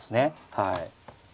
はい。